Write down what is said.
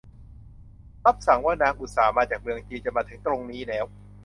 รับสั่งว่านางอุตส่าห์มาจากเมืองจีนจนมาถึงตรงนี้แล้ว